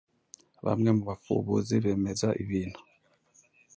Bamwe mu bapfubuzi bemeza ibintu